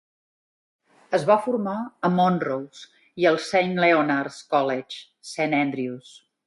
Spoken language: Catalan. Es va formar a Montrose i al Saint Leonard's College, Saint Andrews.